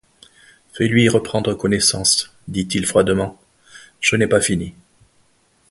Fais-lui reprendre connaissance, dit-il froidement, je n’ai pas fini.